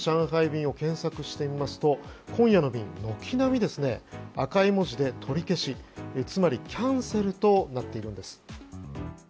便を検索してみますと今夜の便軒並み赤い文字で取り消しつまりキャンセルとなっているんです。